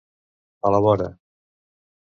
A la vora.